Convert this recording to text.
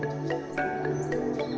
ketika dapur itu berfungsi